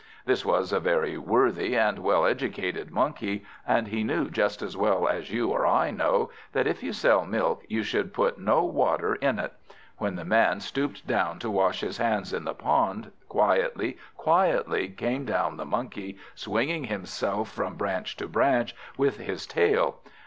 This was a very worthy and well educated Monkey, and he knew just as well as you or I know, that if you sell milk, you should put no water in it. When the Man stooped down to wash his hands in the pond, quietly, quietly down came the Monkey, swinging himself from branch to branch with his tail.